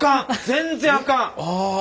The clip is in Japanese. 全然あかん！